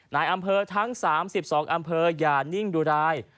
ในอำเภอทั้ง๓๒อำเภออย่านิ่งดูราย